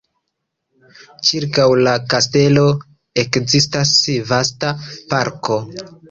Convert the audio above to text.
Ĉirkaŭ la kastelo ekzistas vasta parko.